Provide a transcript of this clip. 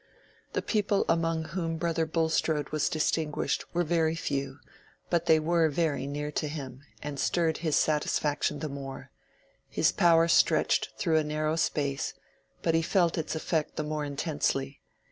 The people among whom Brother Bulstrode was distinguished were very few, but they were very near to him, and stirred his satisfaction the more; his power stretched through a narrow space, but he felt its effect the more intensely.